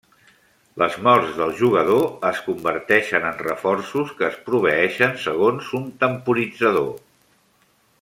Les morts del jugador es converteixen en reforços que es proveeixen segons un temporitzador.